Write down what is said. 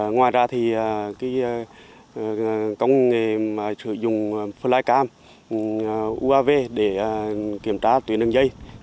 ngoài ra thì công nghệ sử dụng flycam uav để kiểm tra tuyến đường dây